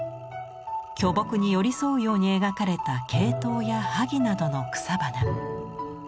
巨木に寄り添うように描かれた鶏頭や萩などの草花。